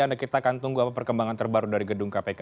anda kita akan tunggu apa perkembangan terbaru dari gedung kpk